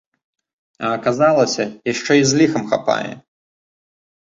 А аказалася, яшчэ і з ліхам хапае!